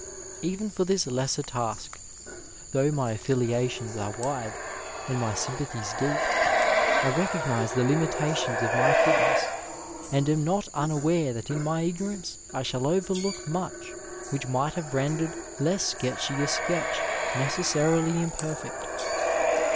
Even for this lesser task (though my affiliations are wide and my sym pathies deep) I recognize the limitations of my fitness, and am not unaware that in my ignorance I shall overlook much which might have rendered less sketchy a sketch necessarily imperfect.